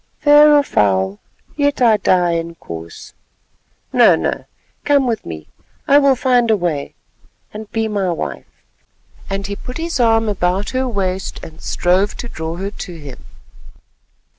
"Fair or foul, yet I die, Inkoos." "No, no, come with me—I will find a way—and be my wife," and he put his arm about her waist, and strove to draw her to him.